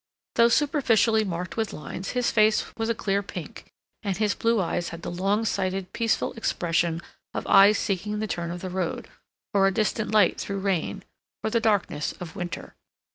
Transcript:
Though superficially marked with lines, his face was a clear pink, and his blue eyes had the long sighted, peaceful expression of eyes seeking the turn of the road, or a distant light through rain, or the darkness of winter.